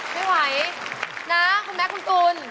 ไม่ไหวนะคุณแม็กซ์คุณกูล